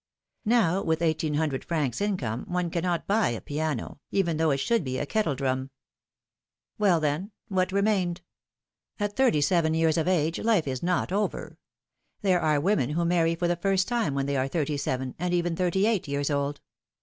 Now, with eighteen hundred francs income, one cannot buy a piano, even though it should be a kettle drum. W ell, then, what remained ? At thirty seven years of age life is not over. There are women who marry for the first time when they are thirty seven and even thirty eight years old